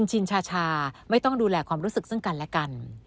ชินชาชาไม่ต้องดูแลความรู้สึกซึ่งกันและกัน